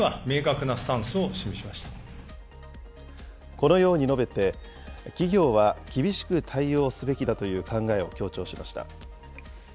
このように述べて、企業は厳しく対応すべきだという考えを強調しました。